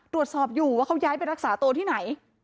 ตรวจสอบอยู่ว่าเขาย้ายไปรักษาตัวที่ไหน